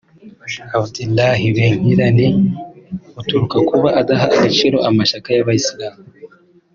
Abdelilah Benkirane buturuka ku kuba adaha agaciro amashyaka y’abayisilamu